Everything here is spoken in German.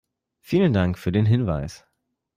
Vielen Dank für den Hinweis.